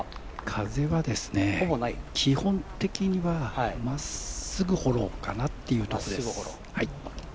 風は基本的にはまっすぐフォローかなっていうところです。